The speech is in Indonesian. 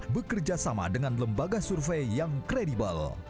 bekerjasama dengan lembaga survei yang kredibel